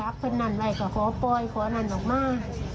ขอเพิ่งนั่นไว้ก็ขอปล่อยขอนั่นออกมา